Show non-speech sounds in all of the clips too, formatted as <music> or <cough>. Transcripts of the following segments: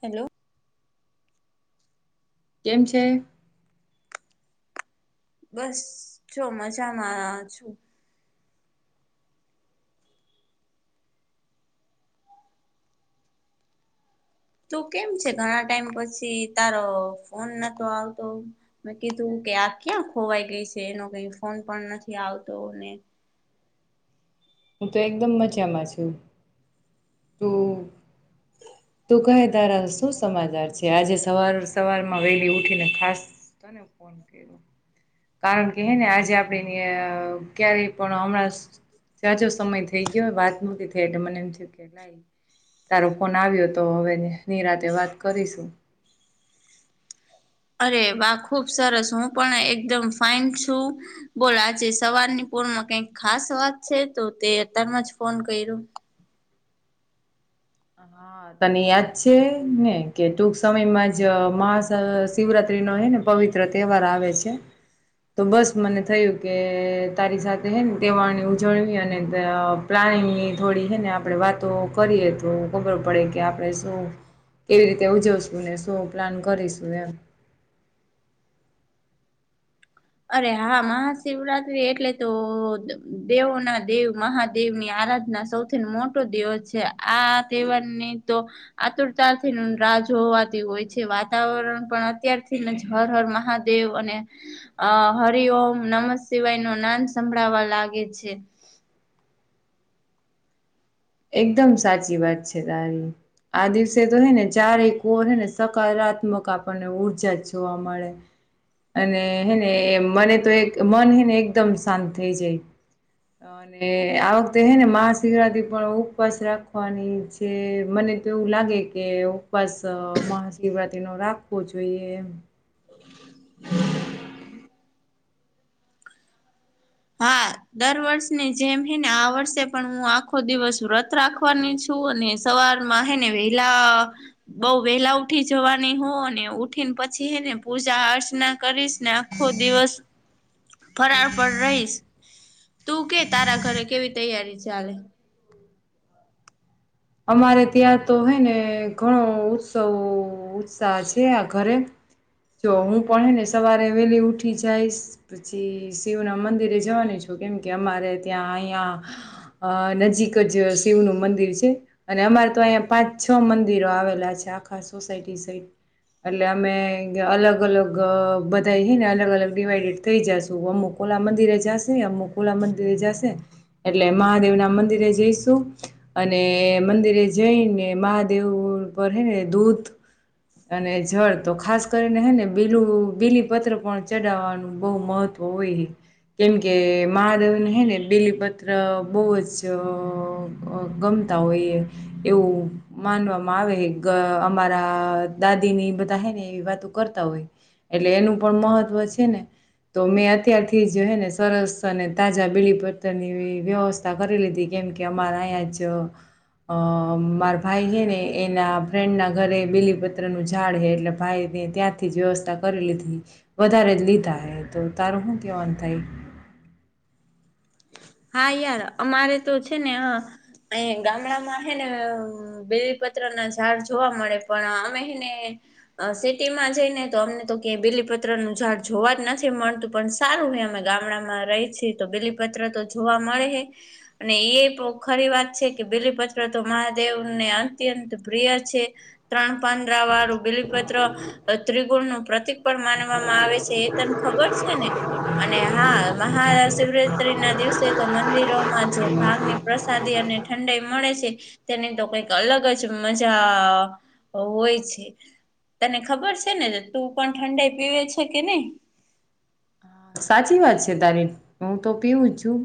Hello કેમ છે બસ જો મજામાં છું તું કેમ છે ઘણા ટાઈમ પછી તારો ફોન નતો આવતો મેં કીધું કે આ ક્યાં ખોવાઈ ગઈ છે એનો કઈ ફોન પણ નથી આવતોને હું તો એકદમ મજામાં છું તું તું કહે તારા શું સમાચાર છે આજે સવાર સવારમાં વેલી ઉઠી ને ખાસ તોને ફન ક કારણ કે હે ને આજે આપણે ક્યારેય પણ હમણાં સાજો સમય થઈ ગયો વાત નતી થઈ એટલે મને એમ થય કે લાઈ તારો ફોન આવ્યો હતો તો હવે નિરાતે વાત કરીશું અરે વાહ ખુબ સરસ હું પણ એકદમ ફાઈન છું બોલ આજે સવારની રમાં કઈક ખાસ વાત છે તો તે અતારમાં જ ફોન કર્યો હા તને યાદ છે ને કે ટૂંક સમયમાં જ મહા શિવરાત્રી ન હને પવિત્ર તહેવાર આવે છે તો બસ મને થયું કે તારી સાથે હે તહેવાર ઉજળવી અને પ્લા પાણીની થોડી હે ને આપડે વાતો કરીએ તો ખબર પડે કે આપણે શું કેવી રીતે ઉજવશુ ને શું પ્લાન કરીશું એમ <inaudible> અરે હા મહાશિવરાત્રી એટલે તો દેવો ના દેવ મહાદેવની આ રાધના સૌથી મોટો દેવ છે, આ તહેવારની તો આતુરતાથી ન રાજ જોવાતી હોય છે, વાતાવરણ પણ અત્યારથીને હર હર મહાદેવ અને અ હરી ઓમ નમ શિવાયનું નામ સંભળાવા લાગે છે. એકદમ સાચી વાત છે, તારી આ દિવસે તો હે ને ચારે કોર હને સકારાત્મક આપણને ઊર્જા જ જોવા મળે અને હેને મને તો એક મન હેને એકદમ શાંત થઈ જાય અને આ વખતે હે ને મહાશિવરાત્રી પણ ઉપવાસ રાખવાની છે, મને તો એવું લાગે કે ઉપવાસ મહાશિવ રાત્રીનો રાખવો જોઈએ એમ હા દર વર્ષની જેમ હી ને આ વર્ષે પણ હું આખો દિવસ વ્રત રાખવાની છું. અને સવારમાં હે ને વેલા બઉ વેલા ઉઠી જવાની હુ અને ઉઠીને પછી હે ને પૂજા અર્ચના કરીશ ને આખો દિવસ ફરાર પર રહીશ તું કે તારા ઘરે કેવી તૈયારી ચાલે? અમારે ત્યાં તો હે ને ઘણો ઉત્સવ સા છે, આ ઘરે હ. જો હું પણ હેને સવારે વહેલી ઉઠી જઈશ પછી શિવના મંદિરે જવાની છું કેમ કે અમારે ત્યાં અંયા નજીક જ શિવનું મંદિર છે. અને અમારે તો અહીંયા પાંચ છ મંદિરો આવેલા છે, આખા સોસાયટી સાઈટ એટલે અમે અલગ અલગ બધા હી ને અલગ અલગ ડિવાઈડેડ થઈ જશુ અમુક કોલા મંદિરે જશે અમુક કોલા મંદિરે જશે એટલે મહાદેવ ના મંદિરે જઈશું અને મંદિરે જઈને મહાદેવ પર હે ને દૂધ અને જળ તો ખાસ કરીને હે ને બીલું બીલીપત્ર પણ ચડાવવાનું બહ મહ તોવે. કેમ કે મહાદેવને હે ને બીલીપત્ર બહુ જ ગમ તા હોયે એવું માનવામાં આવે અમારા દાદીની બધા હે ને એવી વાતો કરતા હોય એટલે એનું પણ મહત્વ છે, ને તો મેં અત્યારથી જોને સરસ અને તાજા બીલીપત્રની વ્યવસ્થા કરી લીધી કે મ કે અમારા અંયા જ અ મારા ભાઈ હે ને એના ફ્રેન્ડ ના ઘરે બીલીપત્રનું ઝાડ હે એટલે ભાઈને ત્યાંથી વ્યવસ્થા કરી લીધી વધારે જ લીધા એ તો તારું શું કેવાનું થાય? હા યાર અમારે તો છે, ને અ અયા ગામડામાં હે ને બેલીપત્ર ના ઝાડ જોવા મળે પણ અમે હેને સિટીમાં જઈ ને તો અમને તો કય બીલીપત્રનું ઝાડ જોવા જ નથી મળતું પણ સારું ને અમે ગામડામાં રહી છીએ તો બિલીપત્ર તો જોવા મળે હે અને એ ખરી વાત છે, કે બીલીપત્ર તો મહાદેવને અંત્ય ત પ્રિય છે, ત્રણ પાંદ્રા વાળું બિલીપત્ર ત્રિગુણનું પ્રતિક પણ માનવામાં આવે છે, એ તને ખબર છે ને અને હા મહા શિવરાત્રી ના દિવસે તો મંદિરોમાં જે ભાગની પ્રસાદી અને ઠંડઈ મળે છે, તેની તો કઈક અલગ જ મજા હોય છે. તને ખબર છે, ને તું પણ ઠંડાઈ પીવે છે, કે નય સાચી વાત છે, તારી હું તો પીવું જ છું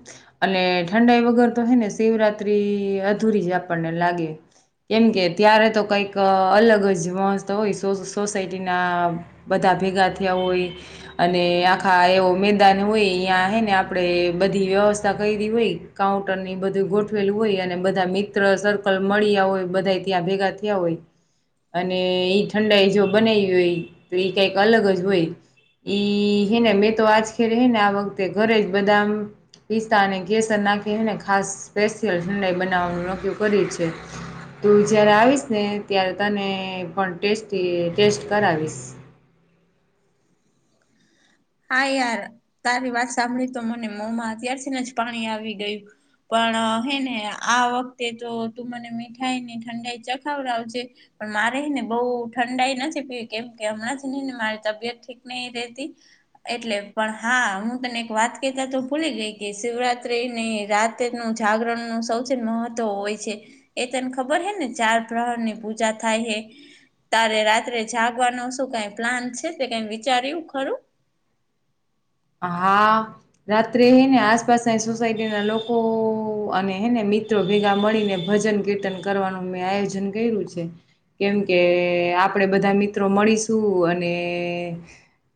અને ઠંડાઈ વગર તો હે ને શિવરા ત્રી અધૂરી જ આપણને લાગે કેમ કે ત્યારે તો કઈક અલગ જ મહસત હોય સોસાયટી ના બધા ભેગા થયા હોય અને ખાય એવો મેદાન હોય અહીં હેને આપણે બધી વ્યવસ્થા કયરી હોય કાઉન્ટરની બધુ ગોઠવેલું હોય અને બધા મિત્ર સર્કલ મળ્યા હોય બધા ત્યાં ભેગા થયા હોય અને ઈ ઠંડાઈ જો બનાવી હોય તો કઈક અલગ જ હોય ઈ હે ને મેં તો આજ ખે હે ને આ વખતે ઘરે જ બધા પિસ્તા અને કેસર નાખીને ખાસ સ્પેશિયલ ઠંડાઈ બનાવવાનું નકયુ કરી છે. તું જયારે આવીશને ત્યારે તને પણ ટેસ્ટી ટેસ્ટ કરાવીશ <unintelligible> હા યાર તારી વાત સાંભળી તો મને મોમાં અત્યારથીને જ પાણી આવી ગયું પણ હેને આ વખતે તો તું મને મીઠાઈને ઠંડાઈ ચખાવડાવજે પણ મારે ને બોવ ઠંડાઈ નથી પીવી કેમ કે હમણાં જ ને મારી તબિયત ઠીક ની રહેતી એટલે પણ હા હું તને એક વાત કેતા તો ભૂલી ગઈ કે શિવરાત્રી ની રાત નું જાગરણ નું સૌથી મહત્વ હોય છે, એ તને ખબર હેને ચાર બ્રાણ ની પૂજા થાય તારે રાત્રે જાગવાનું શું કાઈ પ્લાન છે તે કઈ વિચાર્યું ખરું હા રાત્રે હેને આસપાસની સોસાયટીના લોકો અને હેને મિત્રો ભેગા મળીને ભજન કીર્તન કરવાનું મેં આયોજન કર્યું છે. કેમ કે આપણેે બધા મિત્રો મળીશું અને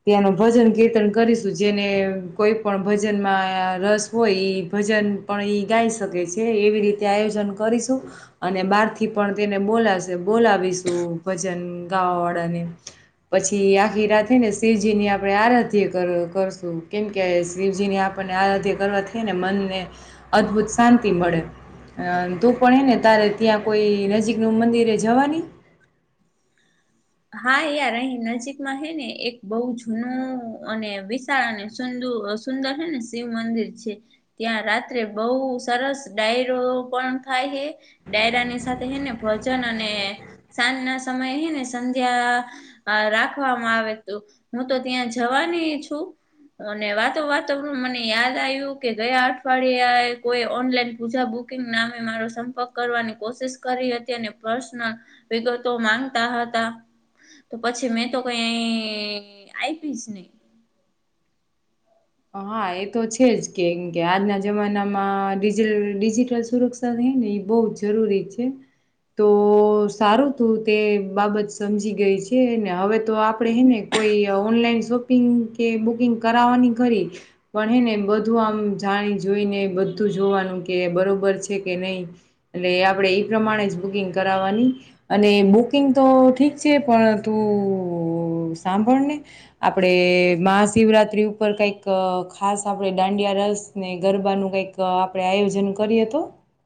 ત્યાંનો ભજન કીર્તન કરીશ જેને કોઈ પણ ભજનમાં રસ હોય ભજન પણ ઈ ગાઈ શકે છે. એવી રીતે આયોજન કરીશું અને બહારથી પણ તેને બોલાશે બોલાવીશું પ જન ગાવા વાળાને પછી આખી રાત હેને શિવજીની આપડે આરાધ્ય કર કરશું કેમકે શિવજીની આપણને આરાધ્ય કરવા થઈ ને મનને અદભુત શાંતિ મળે અ તુ પણ હેને તારે ત્યાં કોઈ નજીકનુ મંદિરે જવાની? <inaudible> હા યાર અહી નજીકમાં હે ને એક બહુ જૂનું અને વિશાળ અને સુંદ સુંદર છે, ને શિવ મંદિર છે, ત્યાં રાત્રે બહુ સરસ ડાયરો પણ થાય હે ડાયરાની સાથે હેને ભજન અને સાંજના સમયે હેને સંધ્યા રાખવામાં આવે તો હું તો ત્યાં જવાની છું. અને વાતો વાતોમા મને યાદ આવ્યું કે ગયા અઠવાડિયે કોઈ ઓનલાઈન પૂજા કુકિંગ નામે મારો સંપર્ક કરવાની કોશિશ કરી હતી અને પર્સનલ વિગતો માંગતા હ તા તો પછી મેં તો કઈ આપી જની હા એ તો છે, જ કેમ કે આજના જમાનામાં ડિજિલ ડિજિટલ સુરક્ષાની એ બોવ જરૂરી છે. તો સારું તું તે બાબત સમજી ગઈ છે, ને હવે તો આપડે હેને કોઈ ઓનલાઈન શોપિંગ કે બુકિંગ કરાવવાની ખરી પણ હેને બધું આમ જાણી જોઈને બધું જોવાનું કે બરોબર છે, કે નય એટલે આપણે એ પ્રમાણે જ બુકિંગ કરવાની અને બુકિંગતો ઠીક છે. પણ તું સાંભળને આપડે મહાશિવરાત્રી ઉ પર કઈક ખાસ આપણે દાંડિયા રસ ને ગરબાનું કઈક આપણે આયોજન કરી તો?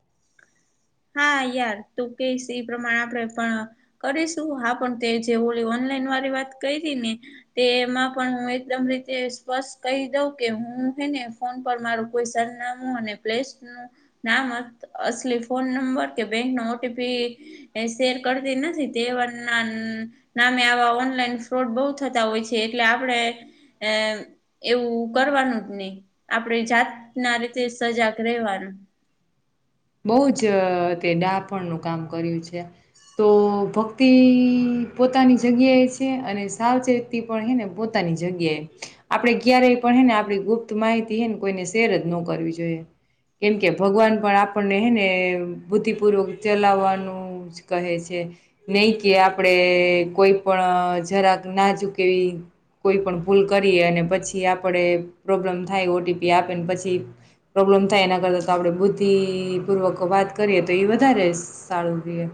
<inaudible> હા યાર તું કેશ એ પ્રમાણે આપણે પણ કરીશું હા પણ તે જે ઓલી ઓ નલાઈન વારી વાત કરીને તેમાં પણ હું એકદમ રીતે સ્પષ્ટ કહી દઉ કે હું ફોન પર મારું કોઈ સરનામું અને પલેશનુ નામ અસલીફ ફોન નંબર કે બેંકનો ઓ ટી પી શેર કરતી નથી તે <unintelligible> નામે આવા ઓનલાઈન ફ્રોડ બોવ થતા હોય છે, એટલે એમ આપણે એવું કરવાનું જ નહી આપણે જાત ના રીતે સજાગ રહેવાનું બોવ જ તે ડાપણનું કામ કર્યું છે. તો ભક્તિ પોતાની જગ્યાએ છે, અને સાવચેતી પણ હેને પોતાની જગ્યાએ આપણે ક્યારેય પણ હેને આપણી ગુપ્ત માહિતી હેને કોઈને શેર જ ન કરવી જોઈએ કેમ કે ભગવાન પણ આ પણને હેને બુદ્ધિપૂર્વક ચલાવવાનું જ કહે છે, નહી કે આપણે કે કોઈ પણ અ જરાક નાજુક એવી કોઈ પણ ભૂલ કરીએ અને પછી આપડે પ્રોબ્લેમ થાય ઓટીપી આપેને પછી પ્રો પ્રોબ્લેમ થાય એના કરતા આપણે બુદ્ધિ પૂર્વકો વાત કરીએ તો ઈ વધારે સારું રિયે.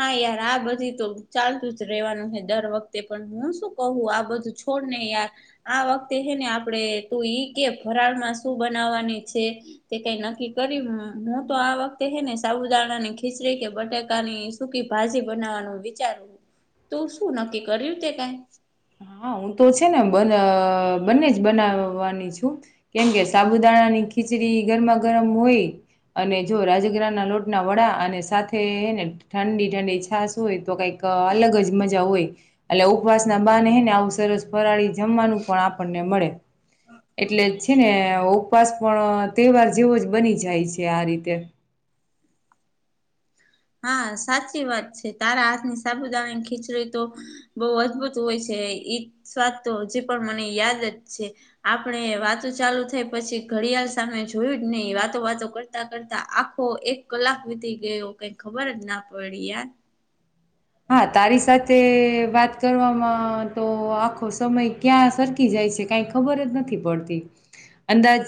હા યાર આ બધી તો ચાલતું જ રેવાનું હ દર વખતે પણ હું શું કહું આ બધું થોડ ને યાર આ વખતે હે ને આપડણે તું ઈ કે ફરાળમાં શું બનાવવાની છે? તે કઈ નક્કી કરિયું હું તો આ વખતે હે ને સાબુદાણાની ખીચડી કે બટાકાની સુકી ભાજી બનાવવાનું વિચારુ હું તો શું નક્કી કર્યું તે કઈ. હા હું તો છે ને બ બંને જ બનાવવાની છું કેમ કે સાબુદાણા ખીચડી ગરમા ગરમ હોય અને જો રાજગરાહ ના લોટના વડા અને સાથે હેને ઠંડી-ઠંડી છાશ હોય તો કઈક અલગ જ મજા હોય એટલે ઉપવાસના બાને હેને ને આવુ સરસ ફરાળી જમવાનું પણ આપણને મળે. એટલે છે ને ઉપવાસ પણ તહેવાર જેવો જ બની જાય છે આ રીતે. હા સાચી વાત છે તારા હાથની સાબુદાણાની ખીચડી તો બહુ અદભુત હોય છે. ને ઈ સ્વાદ તો હજી પણ મને યાદ જ છે આપણે વાતો ચાલુ થઈ પછી ઘડિયાળ સામે જોયું જ નહી વાતો વાતો કરતા-કરતા આખો એક કલાક વીતી ગયો. કઈ ખબર જ ના પડી યાર. હા તારી સાથે વાત કરવામાં તો આખો સમય ક્યાં સરખી જાય કઈ ખબર જ નથી પડતી. અંદાજ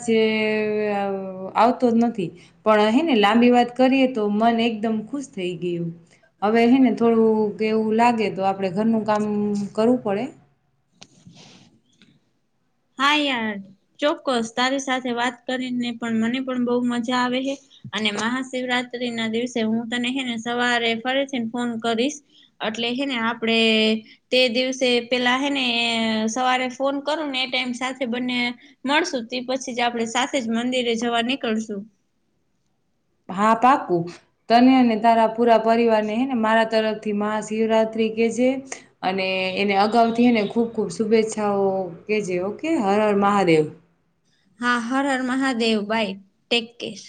આવતો જ નથી પણ હેને લાંબી વાત કરીએ તો પણ એકદમ ખુશ થઈ ગઈ હું. હવે હેને તું કોક એવું લાગે તો આપડે ઘરનું કામ કરવું પડે. હા યાર ચોક્કસ તારી સાથે વાત કરીને પણ મને પણ બહુ મજા આવે હે. અને મહાશિવરાત્રીના દિવસે હું તને હેને સવારે ફરીથીને ફોન કરીશ એટ એટલે હેને આપણે તે દિવસે પેલા હેને સવારે ફોન કરું ને એ ટાઈમસ સાથે બંને મળશું તે પછી જ આપણે સાથે જ મંદિરે જવા નીકળશું. <inaudible> હા પાકું તને અને તારા પૂરા પરિવારને હેને મારા તરફથી મહાશિવરાત્રી કેજે એને અગાઉથી હેને ખુબ-ખુબ શુભેચ્છાઓ કેજે ઓકે હર હર મહાદેવ. હા Har Har Mahadev bye take care.